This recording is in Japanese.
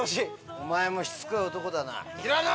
お前もしつこい男だな平野！